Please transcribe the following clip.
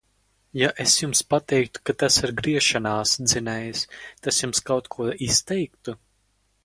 Ja es jums pateiktu, ka tas ir griešanās dzinējs, tas jums kaut ko izteiktu?